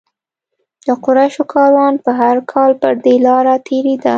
د قریشو کاروان به هر کال پر دې لاره تېرېده.